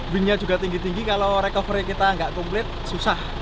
wing nya juga tinggi tinggi kalau recovery kita nggak komplit susah